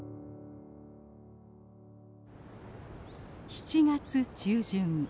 ７月中旬。